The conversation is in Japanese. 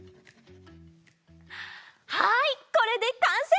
はいこれでかんせい！